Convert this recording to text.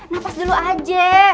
napas dulu aja